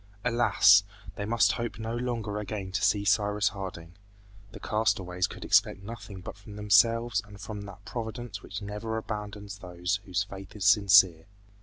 Alas! they must hope no longer again to see Cyrus Harding. The castaways could expect nothing but from themselves and from that Providence which never abandons those whose faith is sincere.